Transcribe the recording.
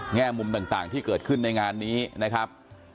แง่มุมต่างที่เกิดขึ้นในงานนี้นะครับ